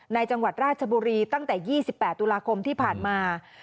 จังหวัดราชบุรีตั้งแต่๒๘ตุลาคมที่ผ่านมา